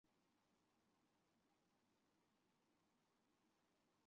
十三行遗址还出土了大批和墓葬相关的人骨及器物。